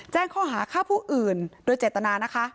แจ้งข้อหาฆ่าผู้อื่นโดยเจตนานะคะ